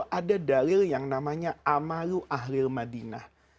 ada dalil yang namanya amalu ahlil madinah